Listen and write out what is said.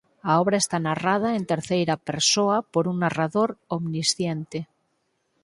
A obra está narrada en terceira persoa por un narrador omnisciente.